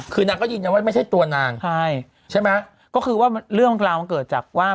คือนางก็ยืนยันว่าไม่ใช่ตัวนางใช่ใช่ไหมก็คือว่าเรื่องราวมันเกิดจากว่า